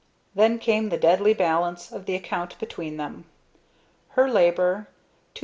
Then came the deadly balance, of the account between them: Her labor... $2,047.